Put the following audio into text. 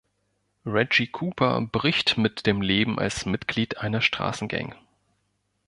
Reggie Cooper bricht mit dem Leben als Mitglied einer Straßengang.